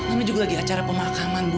ini juga lagi acara pemakaman bu